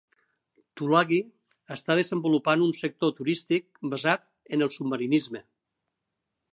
Tulagi està desenvolupant un sector turístic basat en el submarinisme.